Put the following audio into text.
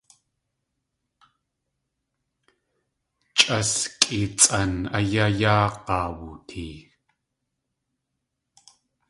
Chʼas kʼéetsʼan áyá yáag̲aa wootee.